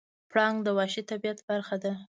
پړانګ د وحشي طبیعت برخه ده.